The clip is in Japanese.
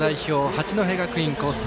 八戸学院光星。